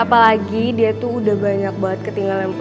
apalagi dia tuh udah banyak banget ketinggalan kita ya om